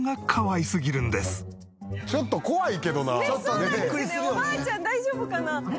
おばあちゃん大丈夫かな？